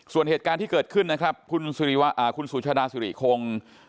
ส่วนเหตุการณ์ที่เกิดขึ้นนะครับคุณสุชาดาสุริคง